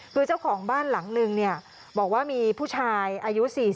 คือเจ้าของบ้านหลังนึงบอกว่ามีผู้ชายอายุ๔๐